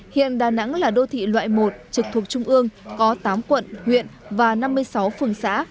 hiện đà nẵng là đô thị loại một trực thuộc trung ương có tám quận huyện và năm mươi sáu phường xã